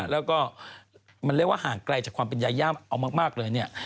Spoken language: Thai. แล้วก็มันเรียกว่าห่างไกลจากความเป็นยาย่าเอามากเลยเนี่ย